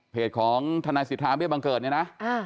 ของทนายสิทธาเบี้ยบังเกิดเนี่ยนะ